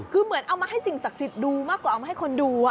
คือเหมือนเอามาให้สิ่งศักดิ์สิทธิ์ดูมากกว่าเอามาให้คนดู